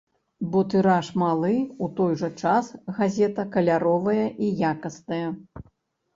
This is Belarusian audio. Бо тыраж малы, у той жа час газета каляровая і якасная.